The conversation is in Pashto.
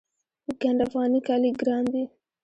ګنډ افغاني کالي ګران دي